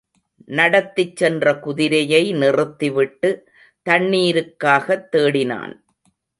நடத்திச் சென்ற குதிரையை நிறுத்திவிட்டு, தண்ணீருக்காகத் தேடினான்.